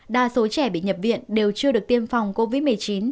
đa số trẻ bị nhập viện đều chưa được tiêm phòng covid một mươi chín